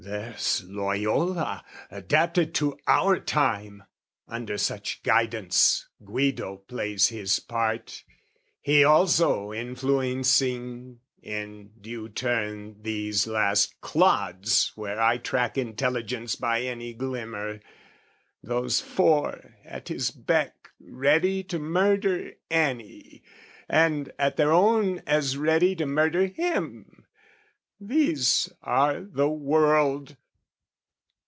There's Loyola adapted to our time! Under such guidance Guido plays his part, He also influencing in due turn These last clods where I track intelligence By any glimmer, those four at his beck Ready to murder any, and, at their own, As ready to murder him, these are the world!